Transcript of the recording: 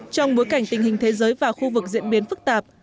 trong bối cảnh tình hình thế giới và khu vực diễn biến phức tạp